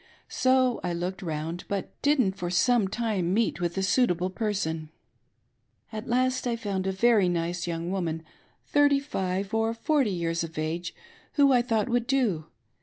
Sq I looked round, but didn't for some time meet with a suitable person. At last I found a very nice young woman, thirty five 590 A NICE, MOTHERLY WOMAN ! or forty years of age, who I thought would do.